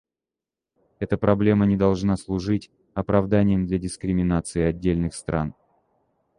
Эта проблема не должна служить оправданием для дискриминации отдельных стран.